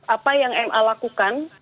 apa yang ma lakukan